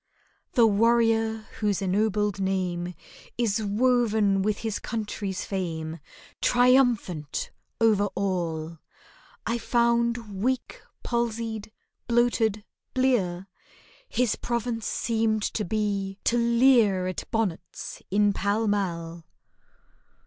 The warrior whose ennobled name Is woven with his country's fame, Triumphant over all, I found weak, palsied, bloated, blear; His province seemed to be, to leer At bonnets in Pall Mall.